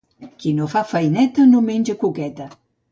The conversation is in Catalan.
Qui no fa feineta no menja coqueta.